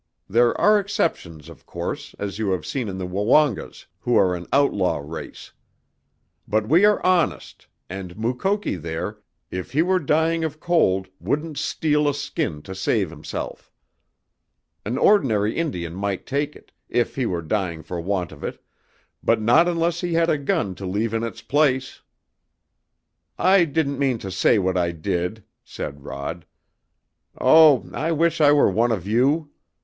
There are exceptions, of course, as you have seen in the Woongas, who are an outlaw race. But we are honest, and Mukoki there, if he were dying of cold, wouldn't steal a skin to save himself. An ordinary Indian might take it, if he were dying for want of it, but not unless he had a gun to leave in its place!" "I didn't mean to say what I did," said Rod. "Oh, I wish I were one of you!